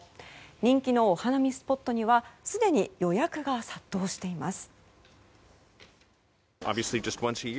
人気のお花見スポットにはすでに予約が殺到しています。